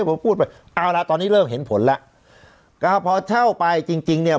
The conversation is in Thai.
ผมพูดไปเอาละตอนนี้เริ่มเห็นผลแล้วก็พอเช่าไปจริงจริงเนี่ย